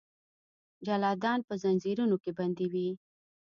جلادان به ځنځیرونو کې بندي وي.